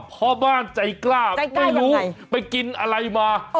พ่อบ้านใจกล้าไม่รู้ไปกินอะไรมา